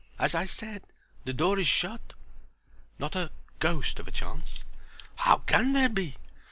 As I said, the door is shut." "Not a ghost of a chance?" "How can there be?